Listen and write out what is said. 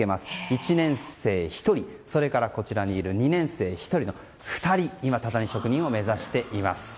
１年生１人、それからこちらにいる２年生１人の２人今、畳職人を目指しています。